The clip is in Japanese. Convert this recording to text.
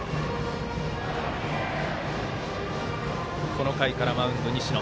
この回からマウンド、西野。